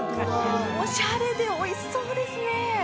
オシャレでおいしそうですね